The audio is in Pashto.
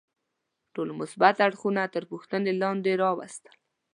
ټول مثبت اړخونه تر پوښتنې لاندې راوستل.